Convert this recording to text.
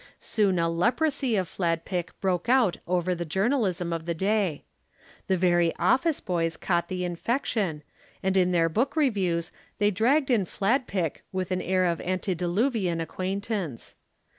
Soon a leprosy of Fladpick broke out over the journalism of the day. The very office boys caught the infection, and in their book reviews they dragged in Fladpick with an air of antediluvian acquaintance.